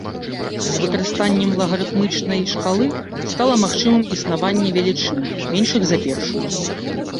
З выкарыстаннем лагарыфмічнай шкалы стала магчымым існаванне велічынь, меншых за першую.